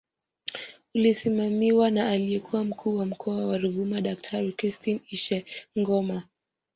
Ulisimamiwa na aliyekuwa Mkuu wa Mkoa wa Ruvuma Daktari Christine Ishengoma